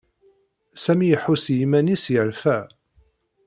Sami iḥuss i yiman-is yerfa.